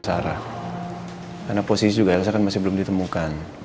sarah karena posisi juga elisa kan masih belum ditemukan